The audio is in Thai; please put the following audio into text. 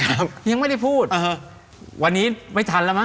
ยังไม่ได้พูดเออวันนี้ไม่ทันแล้วมั้